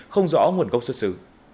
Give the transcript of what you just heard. không rõ nguồn gốc xuất xứ